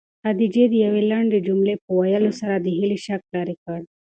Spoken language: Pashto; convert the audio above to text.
خدیجې د یوې لنډې جملې په ویلو سره د هیلې شک لیرې کړ.